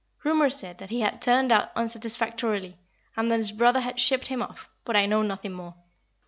Rumour said that he had turned out unsatisfactorily, and that his brother had shipped him off, but I know nothing more."